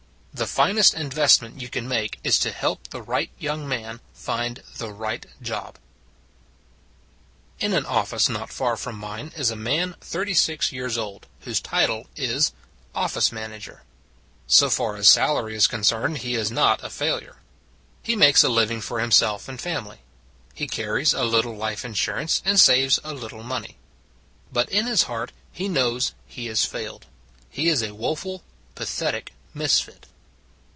THE FINEST INVESTMENT YOU CAN MAKE IS TO HELP THE RIGHT YOUNG MAN FIND THE RIGHT JOB IN an office not far from mine is a man thirty six years old whose title is " Of fice Manager." So far as salary is concerned he is not a failure. He makes a living for himself and family; he carries a little life insur ance and saves a little money. But in his heart he knows he has failed; he is, a woeful, pathetic misfit.